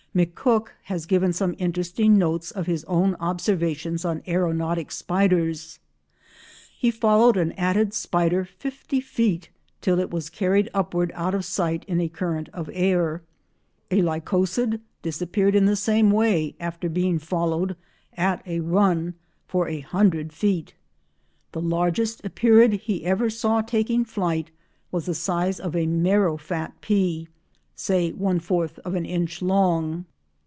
McCook has given some interesting notes of his own observations on aeronautic spiders. He followed an Attid spider fifty feet till it was carried upward out of sight in a current of air. A Lycosid disappeared in the same way after being followed—at a run—for a hundred feet. The largest Epeirid he ever saw taking flight was "the size of a marrowfat pea, say one fourth of an inch long.